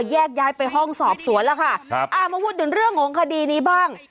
แยกย้ายไปห้องสอบสวนแล้วค่ะครับอ่ามาพูดถึงเรื่องของคดีนี้บ้าง